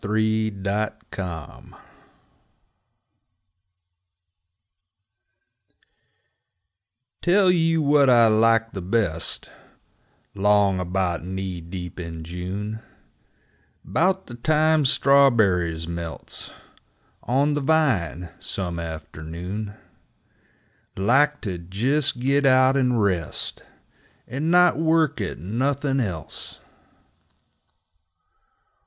Knee Deep in June 1 Tell you what I like the best 'Long about knee deep in June, 'Bout the time strawberries melts On the vine , some afternoon Like to jes' git out and rest, And not work at nothin' else!